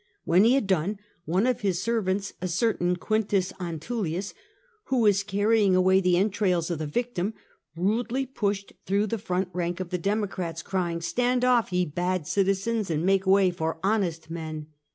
When he had done, one of his servants — a certain Q. Antullius — who was carrying away the entrails of the victim, rudely pushed through the front rank of the Democrats, crying, " Stand off, ye bad citizens, and make way for honest men."